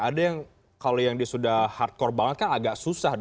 ada yang kalau yang dia sudah hardcore banget kan agak susah